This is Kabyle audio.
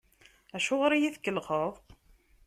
Acuɣer i yi-tkellxeḍ?